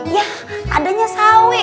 iya adanya sawi